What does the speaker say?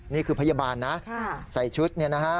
นี่คือพยาบาลนะใส่ชุดเนี่ยนะฮะ